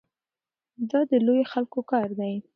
دا د لویو خلکو کار دی.